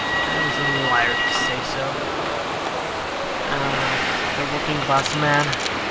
And I was a liar to say so. Ah, this. looking glass man!